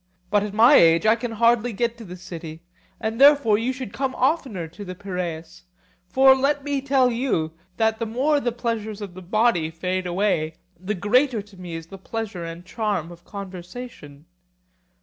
But at my age I can hardly get to the city, and therefore you should come oftener to the Piraeus. For let me tell you, that the more the pleasures of the body fade away, the greater to me is the pleasure and charm of conversation.